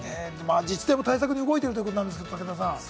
自治体も対策に動いているということですね、武田さん。